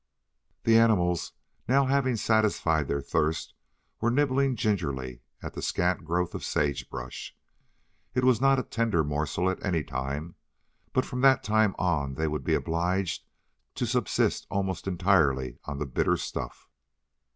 The animals now having satisfied their thirst were nibbling gingerly at the scant growth of sage brush. It was not a tender morsel at any time, but from that time on they would be obliged to subsist almost entirely on the bitter stuff.